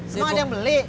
semua ada yang beli